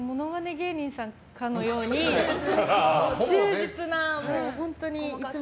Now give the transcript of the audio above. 芸人さんかのように忠実な本当にいつも。